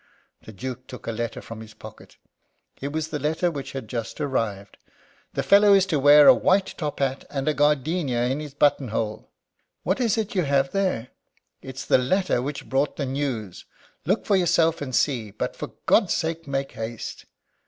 The Duke took a letter from his pocket it was the letter which had just arrived. "The fellow is to wear a white top hat, and a gardenia in his button hole." "What is it you have there?" "It's the letter which brought the news look for yourself and see; but, for God's sake make haste!"